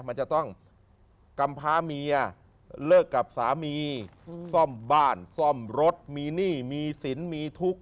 มันจะต้องกำพาเมียเลิกกับสามีซ่อมบ้านซ่อมรถมีหนี้มีสินมีทุกข์